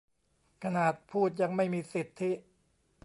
ขนาดพูดยังไม่มีสิทธิ